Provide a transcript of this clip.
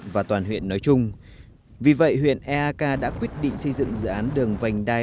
và toàn huyện nói chung vì vậy huyện eak đã quyết định xây dựng dự án đường vành đai